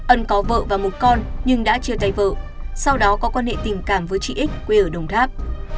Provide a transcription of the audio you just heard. ân có vợ và một con nhưng đã chia tay vợ sau đó có quan hệ tình cảm với chị ích quê ở đồng tháp